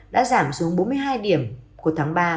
đã giảm xuống bốn mươi hai điểm của tháng ba